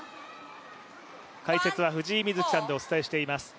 解説は藤井瑞希さんでお伝えしています。